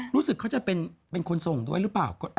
รู้สึกเขาจะเป็นคนส่งด้วยหรือเปล่า